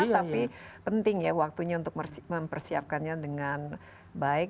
tapi penting ya waktunya untuk mempersiapkannya dengan baik